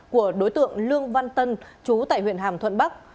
của đối tượng lương văn tân chú tại huyện hàm thuận bắc